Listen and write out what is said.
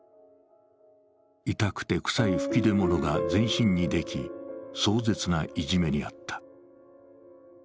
痛くて臭い吹き出物が全身にでき、壮絶ないじめに遭った。